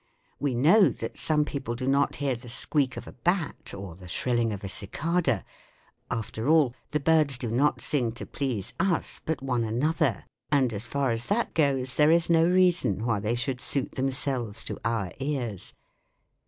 We know that some people do not hear the squeak of a bat or the shrilling of a cicada. After all, the birds do not sing to please us but one another, and as far as that goes there is no reason why they should suit themselves to our ears.